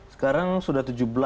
sekarang sudah tujuh belas